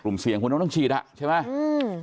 เสี่ยงคุณต้องฉีดอ่ะใช่ไหมอืม